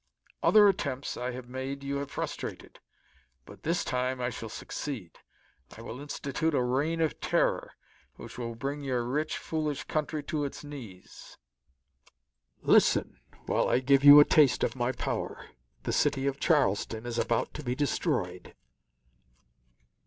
Other attempts I have made you have frustrated, but this time I shall succeed. I will institute a reign of terror which will bring your rich, foolish country to its knees. Listen, while I give you a taste of my power. The city of Charleston is about to be destroyed."